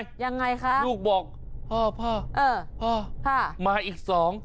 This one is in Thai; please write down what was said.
ยังไงครับลูกบอกพ่อพ่อมาอีกสอง